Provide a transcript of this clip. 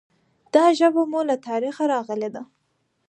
دا ژبه مو له تاریخه راغلي ده.